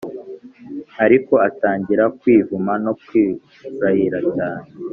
Ariko atangira kwivuma no kurahira cyane